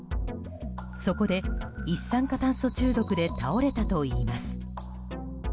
そこで一酸化炭素中毒で倒れたといいます。